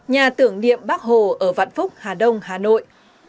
nhà tưởng điệm bắc hồ ở vạn phúc hà đông hà nội